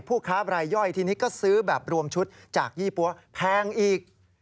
ค้าบรายย่อยทีนี้ก็ซื้อแบบรวมชุดจากยี่ปั๊วแพงอีก